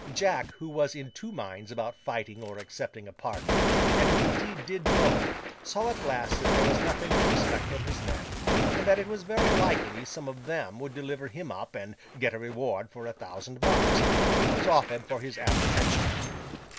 Jack, who was in two minds about fighting or accepting a pardon, and who indeed did both, saw at last that there was nothing to expect from his men, and that it was very likely some of them would deliver him up and get a reward of a thousand marks, which was offered for his apprehension.